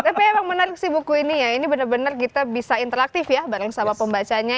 tapi emang menarik sih buku ini ya ini benar benar kita bisa interaktif ya bareng sama pembacanya